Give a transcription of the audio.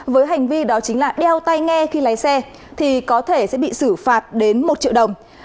với hành vi đó chính là đeo tay nghe khi lái xe thì có thể sẽ bị xử phạt đến một triệu đồng